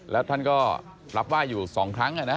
แล้วท่านก็รับไหว้อยู่สองครั้งอะนะ